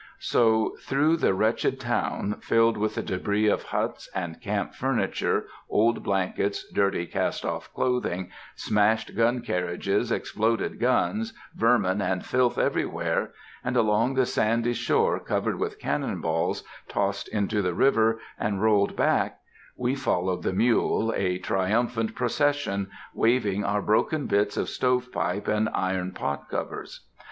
So, through the wretched town, filled with the débris of huts and camp furniture, old blankets, dirty cast off clothing, smashed gun carriages, exploded guns, vermin and filth everywhere,—and along the sandy shore covered with cannon balls, tossed into the river, and rolled back,—we followed the mule, a triumphant procession, waving our broken bits of stove pipe and iron pot covers.